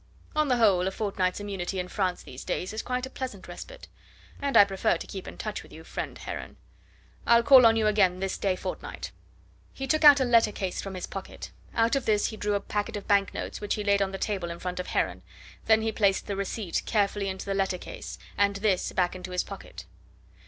"On the whole a fortnight's immunity in France these days is quite a pleasant respite. And I prefer to keep in touch with you, friend Heron. I'll call on you again this day fortnight." He took out a letter case from his pocket. Out of this he drew a packet of bank notes, which he laid on the table in front of Heron, then he placed the receipt carefully into the letter case, and this back into his pocket.